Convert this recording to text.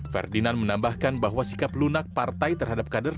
ferdinand menambahkan bahwa sikap lunak partai terhadap kader